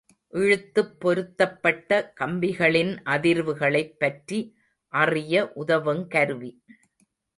இழுத்துப் பொருத்தப்பட்ட கம்பிகளின் அதிர்வுகளைப் பற்றி அறிய உதவுங் கருவி.